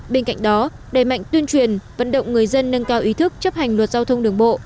bên cạnh đó đẩy mạnh tuyên truyền vận động người dân nâng cao ý thức chấp hành luật giao thông đường bộ